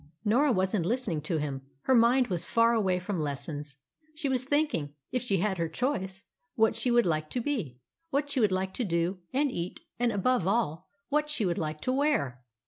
Norah wasn't listening to him. Her mind was far away from lessons. She was thinking, if she had her choice, what she would like to be, what she would like to do, and eat, and, above all, what she would like to wear.